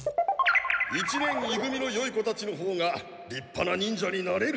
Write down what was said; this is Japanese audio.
一年い組のよい子たちのほうがりっぱな忍者になれる。